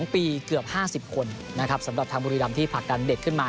๒ปีเกือบ๕๐คนนะครับสำหรับทางบุรีรำที่ผลักดันเด็กขึ้นมา